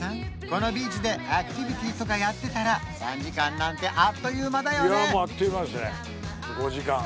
このビーチでアクティビティとかやってたら３時間なんてあっという間だよね？